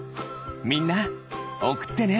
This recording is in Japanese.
みんなおくってね！